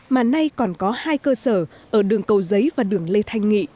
mà nay còn có hai cơ sở ở đường cầu giấy và đường lê thanh nghị